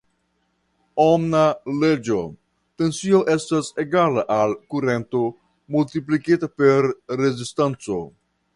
Ohma Leĝo: Tensio estas egala al kurento multiplikita per rezistanco.